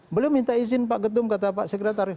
beliau minta izin pak getum kata pak sekretari